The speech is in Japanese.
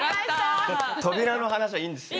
扉の話はいいんですよ。